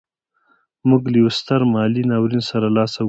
موږ له یوه ستر مالي ناورین سره لاس و ګرېوان وو.